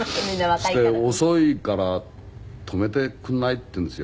そして「遅いから泊めてくんない？」って言うんですよ。